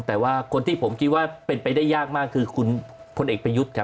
แต่ว่าคนที่ผมคิดว่าเป็นไปได้ยากมากคือคุณพลเอกประยุทธ์ครับ